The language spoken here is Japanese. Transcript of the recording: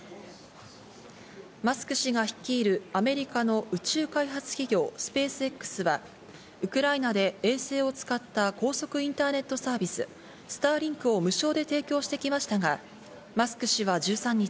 マスク氏が率いるアメリカの宇宙開発企業、スペースＸはウクライナで衛星を使った高速インターネットサービス、スターリンクを無償で提供してきましたが、マスク氏は１３日、